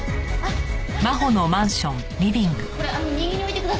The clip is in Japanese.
これあの右に置いてください